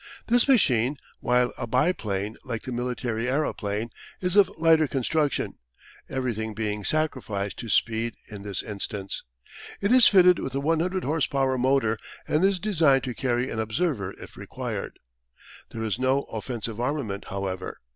This machine, while a biplane like the military aeroplane, is of lighter construction, everything being sacrificed to speed in this instance. It is fitted with a 100 horse power motor and is designed to carry an observer if required. There is no offensive armament, however.